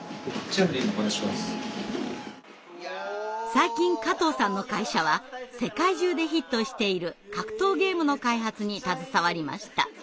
最近加藤さんの会社は世界中でヒットしている格闘ゲームの開発に携わりました。